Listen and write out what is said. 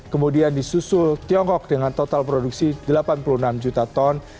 kemudian disusul tiongkok dengan total produksi delapan puluh enam juta ton